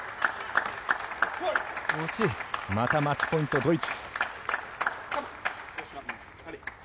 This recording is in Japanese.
またマッチポイントドイツ。